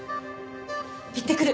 行ってくる。